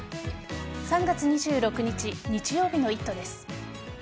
３月２６日日曜日の「イット！」です。